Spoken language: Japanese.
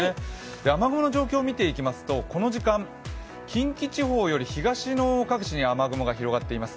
雨雲の状況を見ていきますとこの時間、近畿地方より東の各地に雨雲が広がっています。